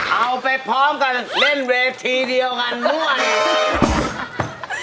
เอาไปพร้อมกันเล่นเวรเทียวกันทุกอัน